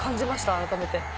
改めて。